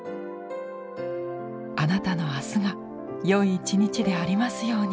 あなたの明日がよい一日でありますように。